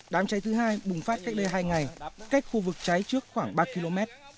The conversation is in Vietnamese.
đám cháy thứ hai bùng phát cách đây hai ngày cách khu vực cháy trước khoảng ba km